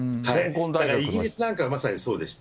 イギリスなんかはまさにそうでした。